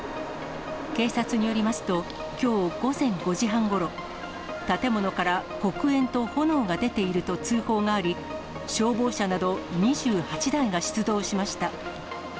警察によりますと、きょう午前５時半ごろ、建物から黒煙と炎が出ていると通報があり、消防車など、２８台が出動しました。